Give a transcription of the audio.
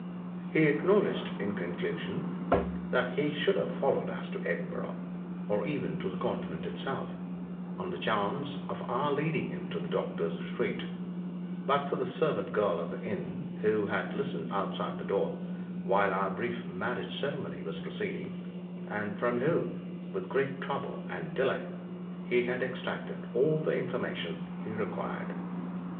He acknowledged, in conclusion, that he should have followed us to Edinburgh, or even to the Continent itself, on the chance of our leading him to the doctor's retreat, but for the servant girl at the inn, who had listened outside the door while our brief marriage ceremony was proceeding, and from whom, with great trouble and delay, he had extracted all the information he required.